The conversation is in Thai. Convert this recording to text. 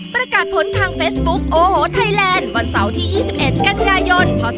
ประกาศผลทางเฟซบุ๊คโอโหไทยแลนด์วันเสาร์ที่๒๑กันยายนพศ๒๕